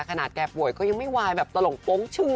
ขนาดแกป่วยก็ยังไม่ไหวแบบตลกป้องชึ้ง